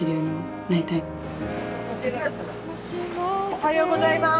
おはようございます。